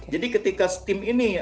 jadi ketika tim ini